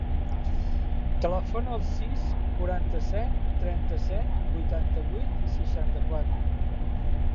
Telefona al sis, quaranta-set, trenta-set, vuitanta-vuit, seixanta-quatre.